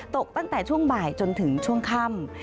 ตกตั้งแต่ช่วงบ่ายจนถึงช่วงค่ำ